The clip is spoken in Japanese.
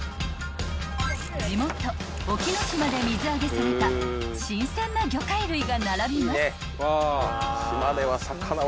［地元隠岐の島で水揚げされた新鮮な魚介類が並びます］